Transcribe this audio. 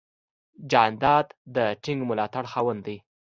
جانداد د ټینګ ملاتړ خاوند دی.